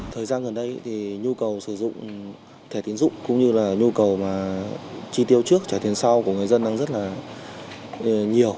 thời gian gần đây thì nhu cầu sử dụng thẻ tiến dụng cũng như là nhu cầu mà chi tiêu trước trả tiền sau của người dân đang rất là nhiều